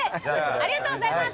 ありがとうございます。